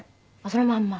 そのまんま？